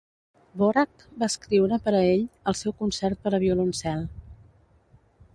Dvořák va escriure per a ell, el seu concert per a violoncel.